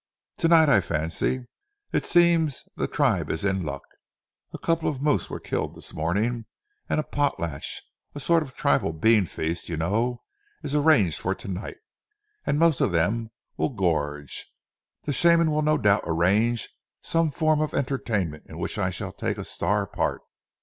"Tonight, I fancy! It seems the tribe is in luck. A couple of moose were killed this morning, and a potlatch sort of tribal bean feast, you know is arranged for tonight and most of them will gorge. The Shaman will no doubt arrange some form of entertainment in which I shall take a star part!"